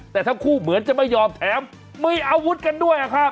แต่ทั้งคู่เหมือนจะไม่ยอมแถมมีอาวุธกันด้วยครับ